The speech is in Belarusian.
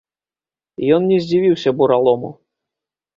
Ён не здзівіўся буралому.